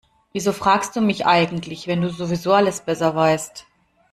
Wieso fragst du mich eigentlich, wenn du sowieso alles besser weißt?